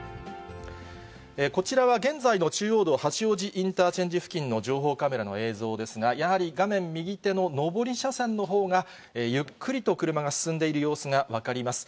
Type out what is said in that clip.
こちらは現在の中央道八王子インターチェンジ付近の情報カメラの映像ですが、やはり、画面右手の上り車線のほうが、ゆっくりと車が進んでいる様子が分かります。